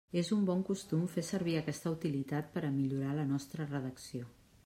És un bon costum fer servir aquesta utilitat per a millorar la nostra redacció.